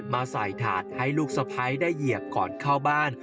มาใส่ถาดให้ลูกสะพ้ายได้เหยียบก่อนเข้าบ้าน